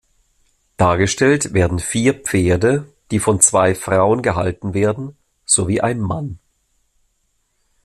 Dargestellt werden vier Pferde, die von zwei Frauen gehalten werden, sowie ein Mann.